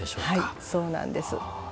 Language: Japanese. はいそうなんです。